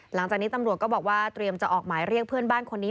หลังจากนี้ตำรวจก็บอกว่าเตรียมจะออกหมายเรียกเพื่อนบ้านคนนี้